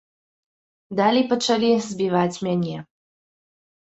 Далей пачалі збіваць мяне.